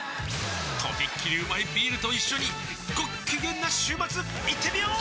とびっきりうまいビールと一緒にごっきげんな週末いってみよー！